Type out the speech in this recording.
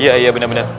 iya iya bener bener